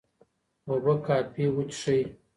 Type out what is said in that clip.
اوبه کافي وڅښئ.